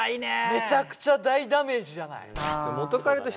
めちゃくちゃ大ダメージじゃない？